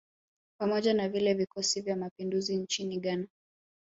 Pamoja na vile vikosi vya mapinduzi nchini Ghana